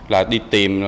là đi tìm